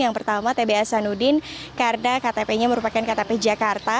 yang pertama t b hasanudin karena ktp nya merupakan ktp jakarta